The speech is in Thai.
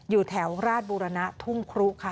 อยู่แถวราชบุรณะทุ่งครุค่ะ